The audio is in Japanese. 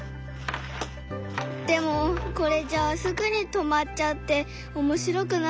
でもこれじゃすぐに止まっちゃって面白くないよね。